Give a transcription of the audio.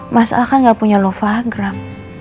mas al kan gak punya lovagram